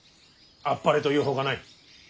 あっぱれと言うほかない。